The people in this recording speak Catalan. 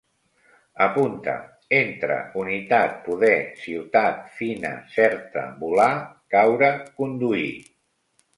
Apunta: entre, unitat, poder, ciutat, fina, certa, volar, caure, conduir